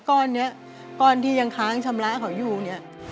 ก้อนนี้ก้อนที่ยังค้างชำระเขาอยู่เนี่ย